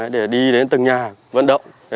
để đi đến từng nhà vận động